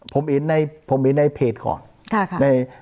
ผมอินในเพจก่อน